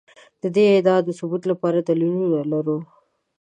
د دې ادعا د ثبوت لپاره دلیلونه لرو.